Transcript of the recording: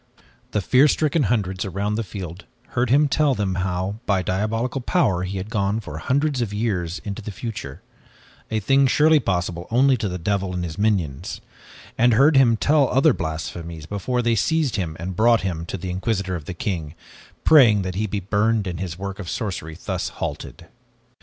The fear stricken hundreds around the field heard him tell them how, by diabolical power, he had gone for hundreds of years into the future, a thing surely possible only to the devil and his minions, and heard him tell other blasphemies before they seized him and brought him to the Inquisitor of the King, praying that he be burned and his work of sorcery thus halted.